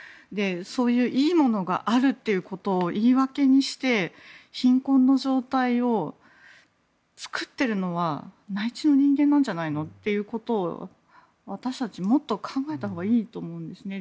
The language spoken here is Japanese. そういういいものがあるということを言い訳にして貧困の状態を作っているのは内地の人間なんじゃないのということを私たちもっと考えたほうがいいと思うんですね。